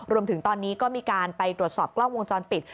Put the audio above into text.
รวมถึงตอนนี้ก็มีการไปตรวจสอบกล้องวงจรปิด